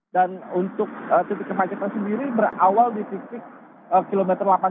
dan untuk titik kemacetan sendiri berawal di titik km delapan puluh tujuh